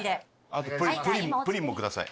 あとプリンも下さい。